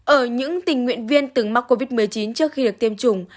ở những tình nguyện viên từng mắc covid một mươi chín trước khi được tiêm chủng